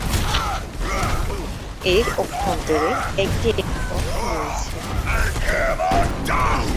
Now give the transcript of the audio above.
এর অভ্যন্তরে একটি একটি কক্ষ রয়েছে।